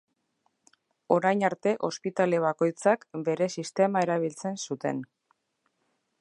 Orain arte ospitale bakoitzak bere sistema erabiltzen zuten.